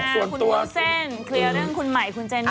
คุณดานะคุณฟูเซ่น